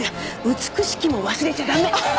「美しき」も忘れちゃ駄目！